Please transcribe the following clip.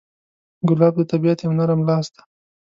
ګلاب د طبیعت یو نرم لاس دی.